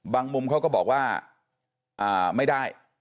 มุมเขาก็บอกว่าไม่ได้